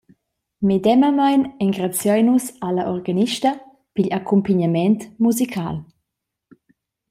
Medemamein engraziein nus alla organista pigl accumpignament musical.